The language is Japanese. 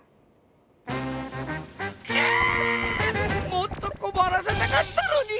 もっとこまらせたかったのに！